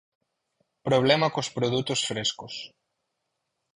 Problema cos produtos frescos.